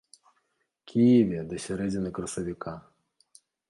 Кіеве да сярэдзіны красавіка.